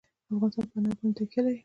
افغانستان په انار باندې تکیه لري.